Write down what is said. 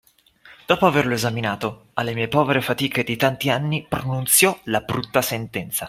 Dopo averlo esaminato, alle mie povere fatiche di tanti anni pronunziò la brutta sentenza